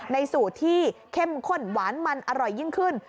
ในสูตรที่เข้มข้นหวานมันอร่อยยิ่งขึ้น